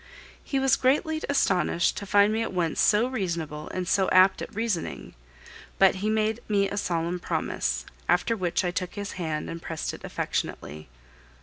He was greatly astonished to find me at once so reasonable and so apt at reasoning; but he made me a solemn promise, after which I took his hand and pressed it affectionately.